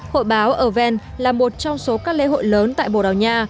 hội báo ở ven là một trong số các lễ hội lớn tại bồ đào nha